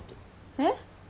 えっ？